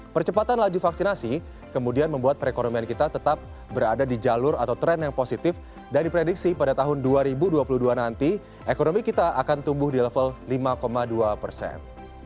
percepatan laju vaksinasi kemudian membuat perekonomian kita tetap berada di jalur atau tren yang positif dan diprediksi pada tahun dua ribu dua puluh dua nanti ekonomi kita akan tumbuh di level lima dua persen